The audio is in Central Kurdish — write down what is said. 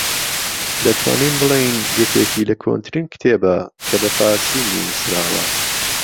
دەتوانین بڵێین یەکێکی لە كۆنترین كتێبە کە بە فارسی نوسراوە